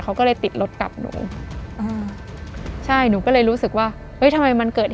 เขาก็เลยติดรถกลับหนูอ่าใช่หนูก็เลยรู้สึกว่าเฮ้ยทำไมมันเกิด